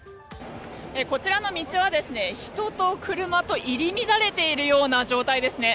こちらの道は人と車と入り乱れているような状態ですね。